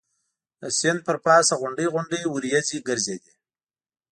د سیند پر پاسه غونډۍ غونډۍ وریځ ګرځېدې.